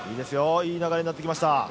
いい流れになってきました。